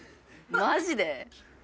マジで？